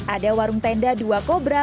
ada warung tenda dua kobra